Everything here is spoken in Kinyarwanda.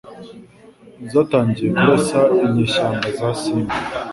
zatangiye kurasa inyeshyamba za Simba